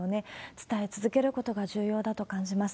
伝え続けることが重要だと感じます。